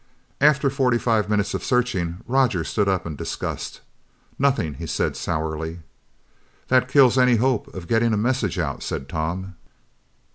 After forty five minutes of searching, Roger stood up in disgust. "Nothing!" he said sourly. "That kills any hope of getting a message out," said Tom.